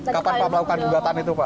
kapan pak melakukan gugatan itu pak